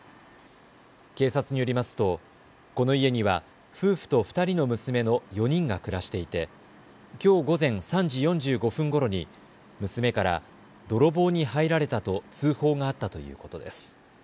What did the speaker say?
警察によりますとこの家には夫婦と２人の娘の４人が暮らしていてきょう午前３時４５分ごろに娘から泥棒に入られたと通報があったということです。